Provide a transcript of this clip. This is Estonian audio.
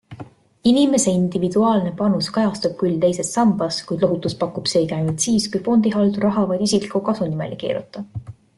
Inimese individuaalne panus kajastub küll teises sambas, kuid lohutust pakub seegi ainult siis, kui fondihaldur raha vaid isikliku kasu nimel ei keeruta.